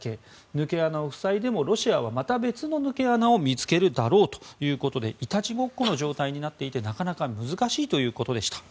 抜け穴を塞いでもロシアはまた別の抜け穴を見つけるだろうということでイタチごっこの状態になっていてなかなか難しいということでした。